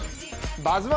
「バズ☆１」